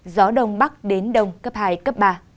gió đông bắc đến đông cấp hai cấp ba